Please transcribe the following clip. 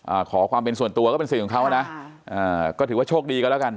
อ่าขอความเป็นส่วนตัวก็เป็นสื่อของเขานะค่ะอ่าก็ถือว่าโชคดีกันแล้วกัน